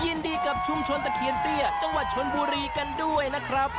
ยินดีกับชุมชนตะเคียนเตี้ยจังหวัดชนบุรีกันด้วยนะครับ